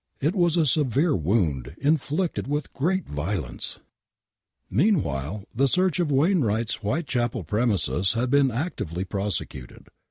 It was a severe wound, inflicted with great violence ! Meanwhile the search of Wainwright's Whitechapel premises had been actively prosecuted.